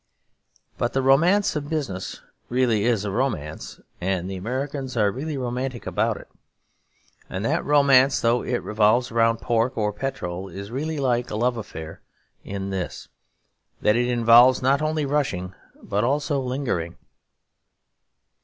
But the romance of business really is a romance, and the Americans are really romantic about it. And that romance, though it revolves round pork or petrol, is really like a love affair in this; that it involves not only rushing but also lingering.